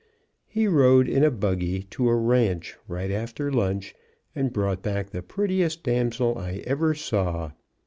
He rode in a buggy to a ranch right after lunch and brought back the prettiest damsel I ever saw.